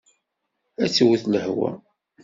Ad twet lehwa.